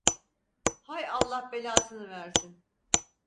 Hay Allah belasını versin.